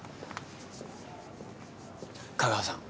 香川さん。